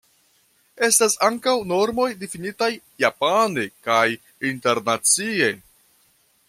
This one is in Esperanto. Estas ankaŭ normoj difinitaj japane kaj internacie.